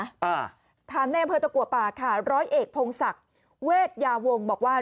อ่าถามในอำเภอตะกัวป่าค่ะร้อยเอกพงศักดิ์เวทยาวงศบอกว่า